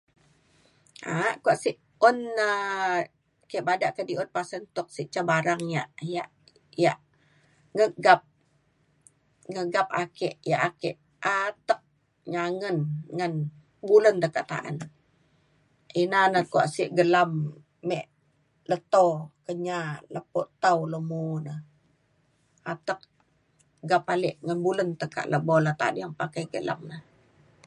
Aak kuak sik un na kek bada kedi'ut pasen tuk si ca barang yak yak nge'gap ake yak ake atek nangen ngen bulen tekak ba'en ina na kuak sik gelam mek leto Kenyah Lepo Tau Long Moh na, atek gap alek nge'bulen lok tekak kimet pakai gelang na